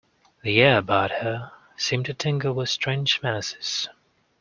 The air about her seemed to tingle with strange menaces.